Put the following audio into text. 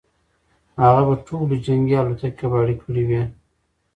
هغه به ټولې جنګي الوتکې کباړ کړې وي.